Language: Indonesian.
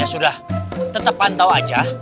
ya sudah tetap pantau aja